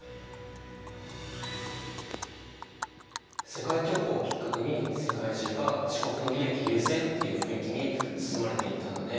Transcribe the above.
世界恐慌をきっかけに世界中が自国の利益優先っていう雰囲気に包まれていったんだね。